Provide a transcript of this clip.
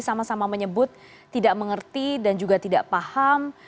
sama sama menyebut tidak mengerti dan juga tidak paham